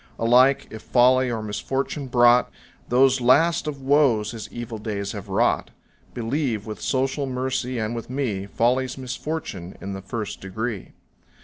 Alike, if folly or misfortune brought Those last of woes his evil days have wrought; Believe with social mercy and with me, Folly's misfortune in the first degree.